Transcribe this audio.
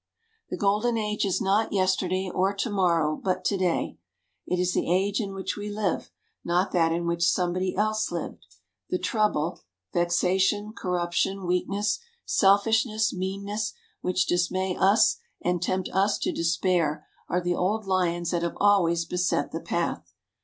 The golden age is not yesterday or to morrow, but to day. It is the age in which we live, not that in which somebody else lived. The trouble, vexation, corruption, weakness, selfishness, meanness, which dismay us and tempt us to despair are the old lions that have always beset the path.